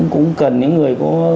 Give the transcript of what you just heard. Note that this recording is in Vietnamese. cũng cần những người có